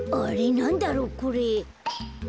なんだろうこれ。